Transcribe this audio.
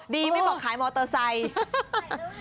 ไม่บอกขายมอเตอร์ไซค์